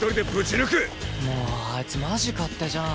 もうあいつマジ勝手じゃん！